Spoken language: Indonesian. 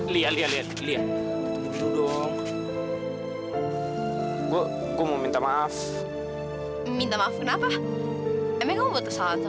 lo mah borl hasilnya